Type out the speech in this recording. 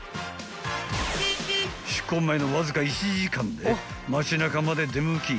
［出航前のわずか１時間で町中まで出向き